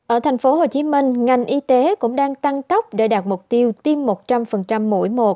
ở thành phố hồ chí minh ngành y tế cũng đang tăng tốc để đạt mục tiêu tiêm một trăm linh mỗi mùa